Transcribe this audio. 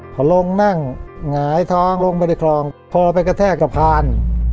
เขาลงนั่งหงายท้องลงบริษฐานพอไปกระแทกสะพาน